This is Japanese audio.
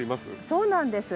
そうなんです。